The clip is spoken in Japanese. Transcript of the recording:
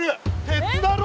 鉄だろ？